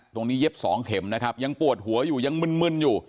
เย็บสองเข็มนะครับยังปวดหัวอยู่ยังมึนอยู่